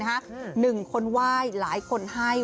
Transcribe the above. หนึ่งคนไหว้หลายคนให้